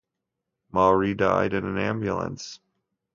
Murai died in an ambulance.